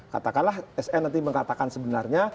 katakanlah sn nanti mengatakan sebenarnya